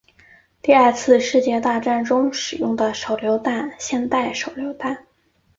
第二次世界大战中使用的手榴弹现代手榴弹